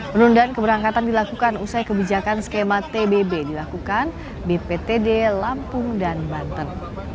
penundaan keberangkatan dilakukan usai kebijakan skema tbb dilakukan bptd lampung dan banten